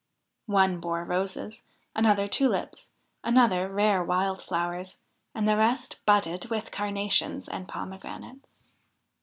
One bore roses, another tulips, another rare wild flowers, and the rest budded with carnations and pomegranates.